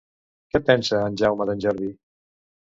Què pensa en Jaume d'en Jordi?